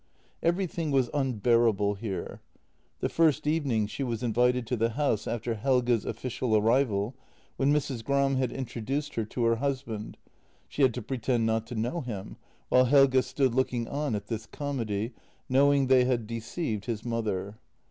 Everything was unbearable here. The first evening she was invited to the house after Helge's official arrival, when Mrs. Gram had introduced her to her husband, she had to pretend not to know him, while Helge stood looking on at this comedy, knowing they had deceived his mother.